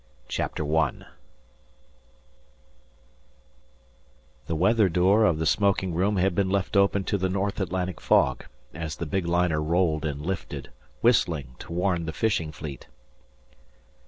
CHAPTER I The weather door of the smoking room had been left open to the North Atlantic fog, as the big liner rolled and lifted, whistling to warn the fishing fleet.